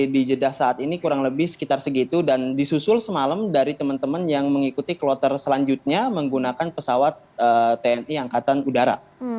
di jeddah saat ini kurang lebih sekitar segitu dan disusul semalam dari teman teman yang mengikuti kloter selanjutnya menggunakan pesawat tni angkatan udara